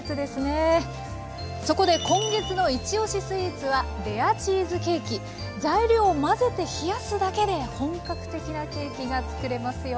そこで今月の「いちおしスイーツ」は材料を混ぜて冷やすだけで本格的なケーキが作れますよ。